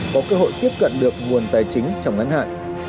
có cơ hội tiếp cận được nguồn tài chính trong ngắn hạn